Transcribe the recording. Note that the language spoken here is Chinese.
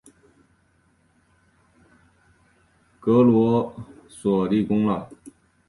格罗索立功啦！